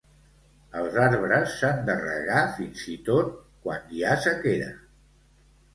Els arbres s'han de regar fins hi tot quant hi ha sequera